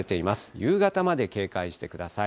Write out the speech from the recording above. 夕方まで警戒してください。